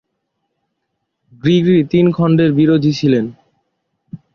Grigory তিন খণ্ডের বিরোধী ছিলেন।